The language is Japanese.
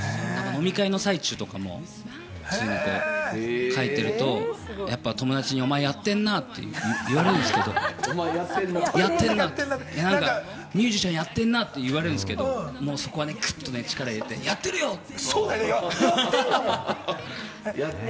ありますね、飲み会の最中とかも、普通に書いてると、やっぱり友達に、「お前やってんな！」って言われるんですけれども、ミュージシャンやってんなって言われるんですけれども、そこはクッと力を入れてやってるよって。